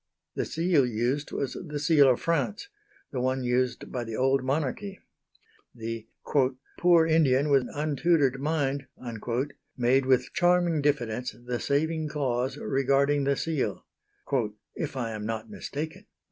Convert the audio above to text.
The seal used was the seal of France, the one used by the old Monarchy. The "poor Indian with untutored mind" made with charming diffidence the saving clause regarding the seal, "if I am not mistaken."